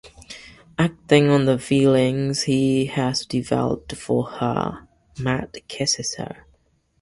Acting on the feelings he has developed for her, Matt kisses her.